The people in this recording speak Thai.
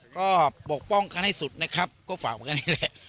ก็ปกป้องกันให้สุดนะครับก็ฝากกันแค่นี้แหละ